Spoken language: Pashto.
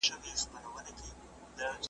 چي قاضي کړه د طبیب دعوه منظوره .